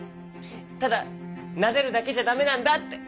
ただなでるだけじゃダメなんだって。